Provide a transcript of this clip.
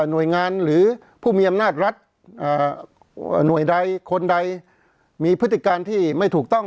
หน่วยงานหรือผู้มีอำนาจรัฐหน่วยใดคนใดมีพฤติการที่ไม่ถูกต้อง